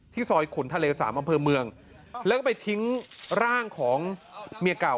ซอยขุนทะเลสามอำเภอเมืองแล้วก็ไปทิ้งร่างของเมียเก่า